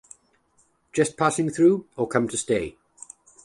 Just passing through, or come to stay?